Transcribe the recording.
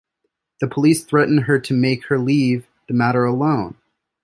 The police threaten her to make her leave the matter alone.